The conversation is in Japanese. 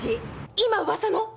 今噂の？